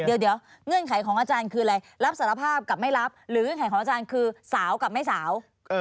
เดี๋ยวเงื่อนไขของอาจารย์คืออะไรรับสารภาพกับไม่รับหรือเงื่อนไขของอาจารย์คือสาวกับไม่สาว